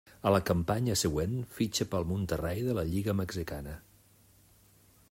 A la campanya següent fitxa pel Monterrey de la lliga mexicana.